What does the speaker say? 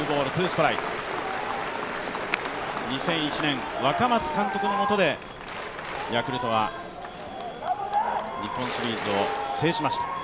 ２００１年、若松監督のもとでヤクルトは日本シリーズを制しました。